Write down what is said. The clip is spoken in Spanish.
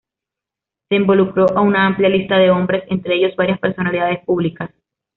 Se involucró a una amplia lista de hombres entre ellos varias personalidades públicas.